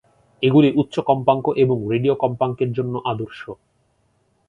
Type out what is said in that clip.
এগুলি উচ্চ কম্পাঙ্ক এবং রেডিও কম্পাঙ্কের জন্য আদর্শ।